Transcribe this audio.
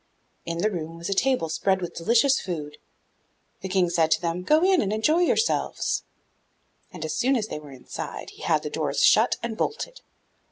In the room was a table spread with delicious food. The King said to them, 'Go in and enjoy yourselves,' and as soon as they were inside he had the doors shut and bolted.